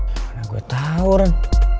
gimana gue tau ram